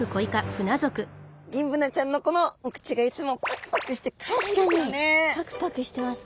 ギンブナちゃんのこのお口がいつも確かにパクパクしてますね。